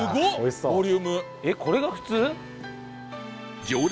えっこれが普通？